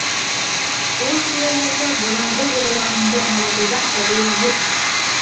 Ул түрәләргә боронғо йолаларыңды аңлатыуҙан фәтүә юҡ.